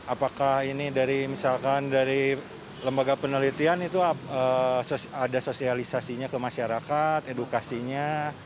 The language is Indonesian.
apakah ini dari misalkan dari lembaga penelitian itu ada sosialisasinya ke masyarakat edukasinya